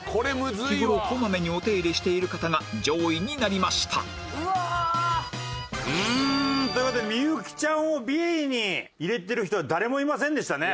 日頃小まめにお手入れしている方が上位になりましたという事で幸ちゃんをビリに入れてる人は誰もいませんでしたね。